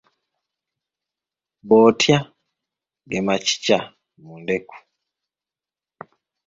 Botya ge makikya mu ndeku.